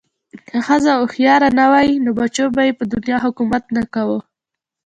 که ښځه هوښیاره نه وی نو بچو به ېې په دنیا حکومت نه کوه